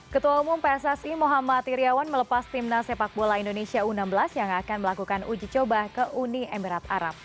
ketua umum pssi muhammad iryawan melepas timnas sepak bola indonesia u enam belas yang akan melakukan uji coba ke uni emirat arab